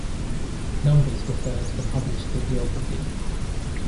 Numbers refer to the published bibliography.